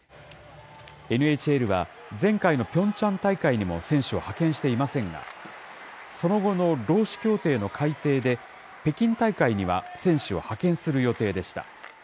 ＮＨＬは、前回のピョンチャン大会にも選手を派遣していませんが、その後の労使協定の改定で、北京大会には選手を派遣する予定でした。